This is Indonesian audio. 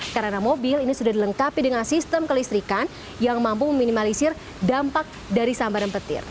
karena mobil ini sudah dilengkapi dengan sistem kelistrikan yang mampu meminimalisir dampak dari sambaran petir